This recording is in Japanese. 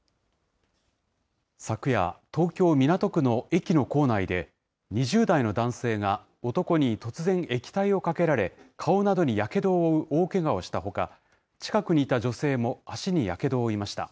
昨夜、東京・港区の駅の構内で、２０代の男性が、男に突然、液体をかけられ、顔などにやけどを負う大けがをしたほか、近くにいた女性も足にやけどを負いました。